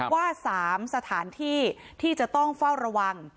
ว่า๓สถานที่ที่จะต้องเฝ้าระวัง